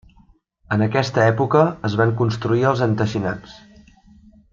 En aquesta època es van construir els enteixinats.